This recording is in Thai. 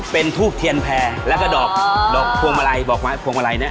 เป็นทูบเทียนแพร่แล้วก็ดอกพวงมาลัยดอกไม้พวงมาลัยเนี่ย